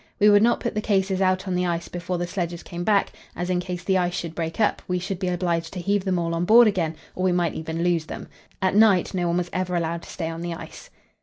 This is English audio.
We would not put the cases out on the ice before the sledges came back, as, in case the ice should break up, we should be obliged to heave them all on board again, or we might even lose them. At night no one was ever allowed to stay on the ice.